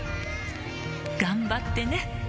頑張ってね！